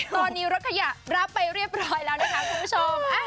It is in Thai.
ตอนนี้รถขยะรับไปเรียบร้อยแล้วนะคะคุณผู้ชม